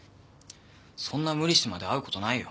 そんな無理してまで会うことないよ。